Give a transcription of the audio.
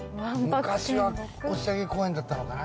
昔は押上公園だったのかな？